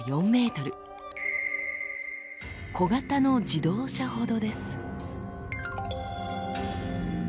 小型の自動車ほどです。